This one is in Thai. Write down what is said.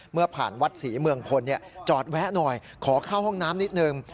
เมื่อผ่านวัดศรีเมืองพลจอดแวะหน่อยขอเข้าห้องน้ำนิดนึง